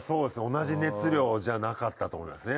同じ熱量じゃなかったと思いますね